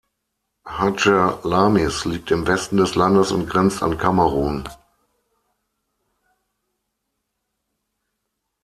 Hadjer-Lamis liegt im Westen des Landes und grenzt an Kamerun.